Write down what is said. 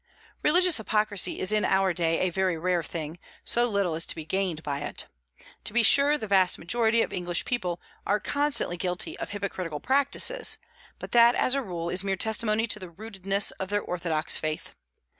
Religious hypocrisy is in our day a very rare thing; so little is to be gained by it. To be sure, the vast majority of English people are constantly guilty of hypocritical practices, but that, as a rule, is mere testimony to the rootedness of their orthodox faith.